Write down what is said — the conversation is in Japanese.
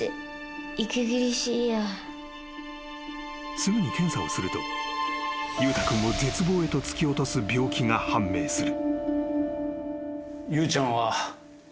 ［すぐに検査をすると裕太君を絶望へと突き落とす病気が判明する］